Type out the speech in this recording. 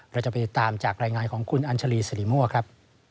เราจะไปติดตามจากรายงานของคุณอัญชาลีสิริมั่วครับ